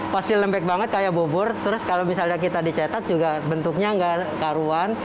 pasti lembek banget kayak bubur terus kalau misalnya kita dicetak juga bentuknya nggak karuan